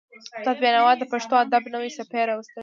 استاد بینوا د پښتو ادب نوې څپې راوستلې.